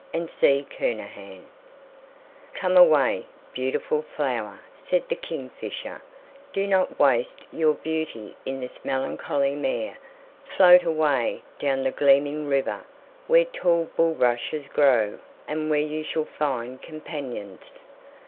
WATER LILY'S MISSION "Come away, beautiful flower," said the kingfisher; "do not waste your beauty in this melancholy mere; float away down the gleaming river where tall bulrushes grow and where you shall find companions."